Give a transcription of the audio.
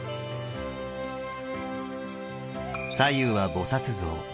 左右は菩像。